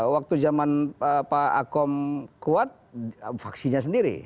waktu zaman pak akom kuat faksinya sendiri